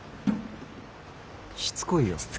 しつこいよ。